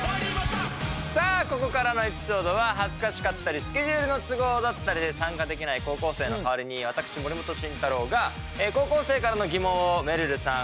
さあここからのエピソードは恥ずかしかったりスケジュールの都合だったりで参加できない高校生の代わりに私森本慎太郎が高校生からの疑問をめるるさん